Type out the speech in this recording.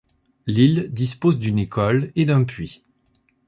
L’île dispose d'une école et d’un puits.